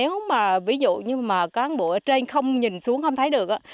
còn nếu mà ví dụ như mà cán bụi ở trên không nhìn xuống không thấy được á